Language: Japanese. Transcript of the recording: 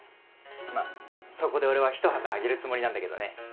まっそこで俺は一旗揚げるつもりなんだけどね。